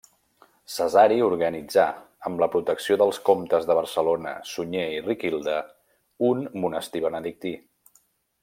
Cesari organitzà, amb la protecció dels comtes de Barcelona, Sunyer i Riquilda, un monestir benedictí.